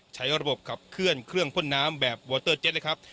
ใช้ระบบขับเคลื่อนเครื่องพ่นน้ำแบบนะครับ